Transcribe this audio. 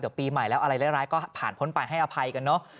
เดี๋ยวปีใหม่แล้วอะไรร้ายก็ผ่านพ้นไปให้อภัยกันเนอะ